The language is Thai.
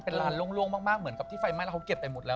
เป็นลานล่วงมากเหมือนกับที่ไฟไหม้แล้วเขาเก็บไปหมดแล้ว